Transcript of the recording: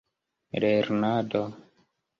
lernado